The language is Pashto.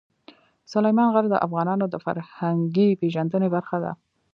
سلیمان غر د افغانانو د فرهنګي پیژندنې برخه ده.